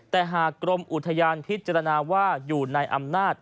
แต่หากกรมอุทยานพิจารณาว่าอยู่ในอำนาจ